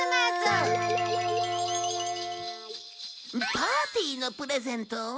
パーティーのプレゼント？